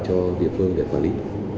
cho địa phương để quản lý